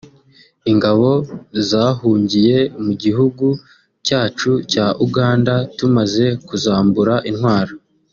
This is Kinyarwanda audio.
” Ingabo zahungiye mu gihugu cyacu cya Uganda tumaze kuzambura intwaro